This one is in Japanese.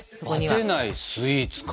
バテないスイーツか。